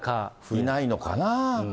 いないのかな。